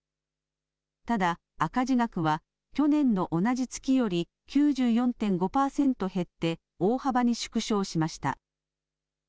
ただ赤字額は去年の同じ月より９４．５％減って大幅に縮小しました。